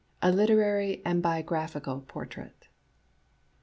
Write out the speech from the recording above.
A UTERARY AND BIOGRAPHICAL PORTRAIT.